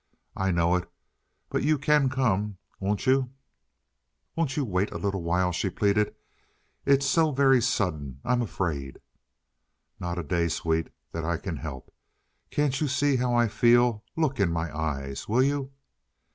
"I know it, but you can come. Won't you?" "Won't you wait a little while?" she pleaded. "It's so very sudden. I'm afraid." "Not a day, sweet, that I can help. Can't you see how I feel? Look in my eyes. Will you?"